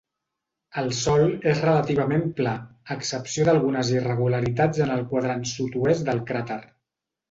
El sòl és relativament pla, a excepció d'algunes irregularitats en el quadrant sud-oest del cràter.